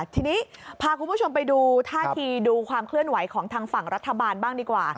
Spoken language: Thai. ทีนี้พาคุณผู้ชมไปดูท่าทีดูความเคลื่อนไหวของทางฝั่งรัฐบาลบ้างดีกว่า